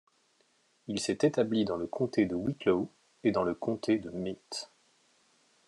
Il s'est établi dans le Comté de Wicklow et dans le Comté de Meath.